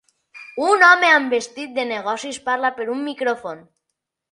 Un home amb vestit de negocis parla per un micròfon.